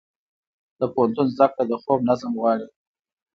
د پوهنتون زده کړه د خوب نظم غواړي.